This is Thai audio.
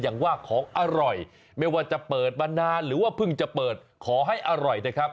อย่างว่าของอร่อยไม่ว่าจะเปิดมานานหรือว่าเพิ่งจะเปิดขอให้อร่อยนะครับ